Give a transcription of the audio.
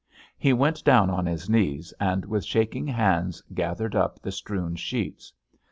He went down on his knees, and, with shaking hands, gathered up the strewn sheets.